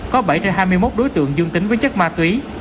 có bảy trên hai mươi một đối tượng dương tính với chất ma túy